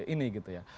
ini gitu ya